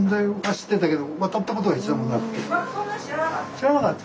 知らなかった。